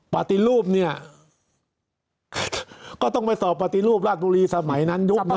ปลาติรูปเนี่ยก็ต้องไปสอบปลาติรูปล่าตุรีสมัยนั้นยุคนั้น